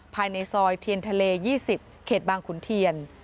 ภายในซอยเทียนทะเล๒๐เขตบางขุนเทียน